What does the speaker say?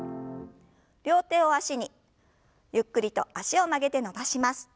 両手を脚にゆっくりと脚を曲げて伸ばします。